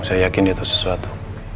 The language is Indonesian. saya yakin dia tahu sesuatu